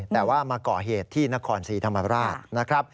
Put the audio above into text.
แต่ว่ามาเกาะเหตุที่นครศรีธรรมราช